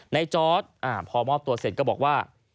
จอร์ดพอมอบตัวเสร็จก็บอกว่า